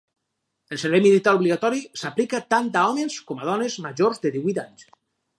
El servei militar obligatori s'aplica tant a homes com a dones majors de divuit anys.